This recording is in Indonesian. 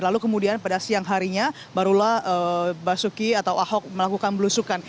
lalu kemudian pada siang harinya barulah basuki atau ahok melakukan belusukan